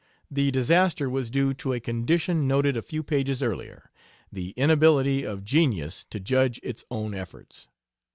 The disaster was due to a condition noted a few pages earlier the inability of genius to judge its own efforts.